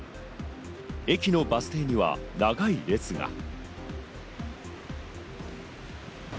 駅のバス停には長い列が。